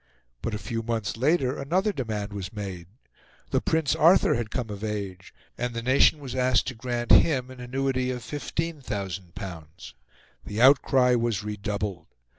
But a few months later another demand was made: the Prince Arthur had come of age, and the nation was asked to grant him an annuity of L15,000. The outcry was redoubled.